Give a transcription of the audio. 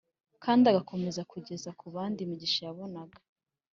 kandi agakomeza kugeza ku bandi imigisha yabonaga.